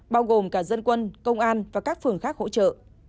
bao gồm cả dân quân công an và các phường khác hỗ trợ